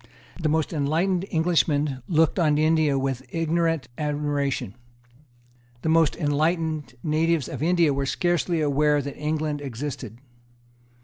The most enlightened Englishmen looked on India with ignorant admiration. The most enlightened natives of India were scarcely aware that England existed.